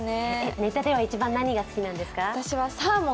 ネタでは何が一番好きなんですか？